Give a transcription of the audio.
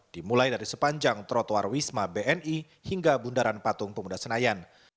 dimulai dari sepanjang trotoar wisma bni hingga bundaran patung pemuda senayan